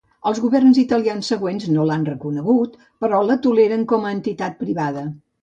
Els governs italians següents no l'han reconegut, però la toleren com a entitat privada.